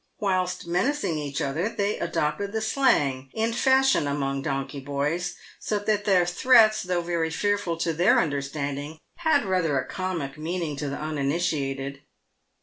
"Whilst menacing each other, they adopted the slang in fashion among donkey boys, so that their threats, though very fearful to their understanding, had rather a comic meaning to the uninitiated.